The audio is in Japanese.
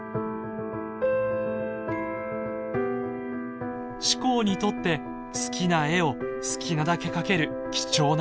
志功にとって好きな絵を好きなだけ描ける貴重な時間でした。